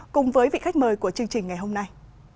cùng với vị khách mời của chương trình ngày hôm nay